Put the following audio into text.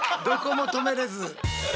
どこも止めれず。